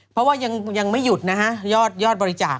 เพราะว่ายังไม่หยุดนะฮะยอดบริจาค